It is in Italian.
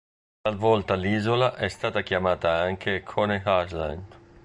Talvolta l'isola è stata chiamata anche "Coney Island".